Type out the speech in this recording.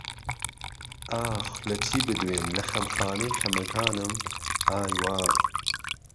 ئایاخ لە چی بدوێم لە خەمخانەی خەمەکانم ئای وای